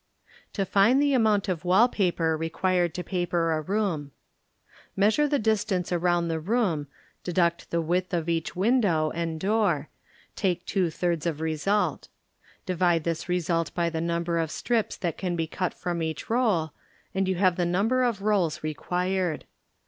To Find the Amount of Wall Paper Beqnired to Paper a Room Measure the distance around the room deduct the width of each window and door, take two thirds of result. Divide this result by the number of strips that can he cut from each roll and you have the number of rolls required.